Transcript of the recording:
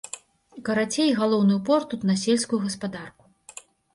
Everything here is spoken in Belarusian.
Карацей, галоўны упор тут на сельскую гаспадарку.